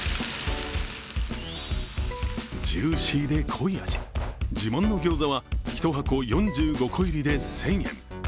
ジューシーで濃い味、自慢のギョーザは１箱４５個入りで１０００円。